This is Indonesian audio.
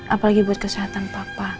apalagi buat kesehatan papa